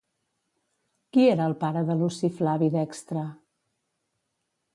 Qui era el pare de Luci Flavi Dextre?